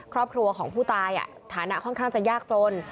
ครอบครัวของผู้ตายฐานะค่อนข้างจะยากจน